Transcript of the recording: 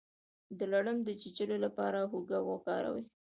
د لړم د چیچلو لپاره هوږه وکاروئ